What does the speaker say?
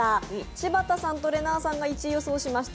柴田さんのれなぁさんが１位予想しました